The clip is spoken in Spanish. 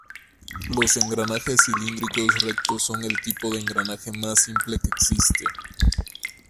Los engranajes cilíndricos rectos son el tipo de engranaje más simple que existe.